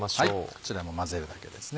こちらも混ぜるだけですね